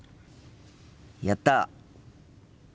やった！